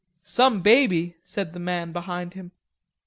"Some baby," said the man behind him.